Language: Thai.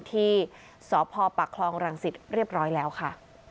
ที่สพปากคลองรังสิตเรียบร้อยแล้วค่ะ